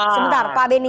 sebentar pak benny